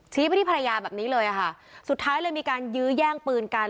ไปที่ภรรยาแบบนี้เลยค่ะสุดท้ายเลยมีการยื้อแย่งปืนกัน